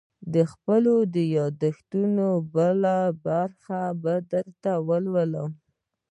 _د خپلو ياد دښتونو بله برخه به درته ولولم.